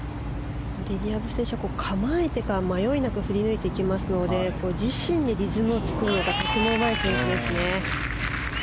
リリア・ブ選手は構えてから迷いなく振り抜いていきますので自身でリズムを作るのがとてもうまい選手ですね。